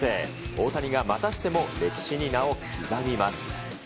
大谷がまたしても歴史に名を刻みます。